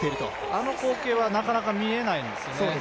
あの光景はなかなか見えないですよね。